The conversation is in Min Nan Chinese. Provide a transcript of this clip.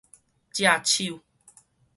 藉手